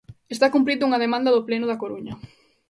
Está cumprindo unha demanda do Pleno da Coruña.